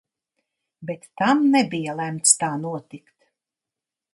Bet tam nebija lemts tā notikt.